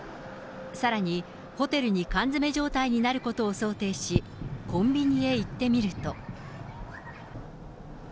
さらに、ホテルに缶詰め状態になることを想定し、コンビニへ行ってみると。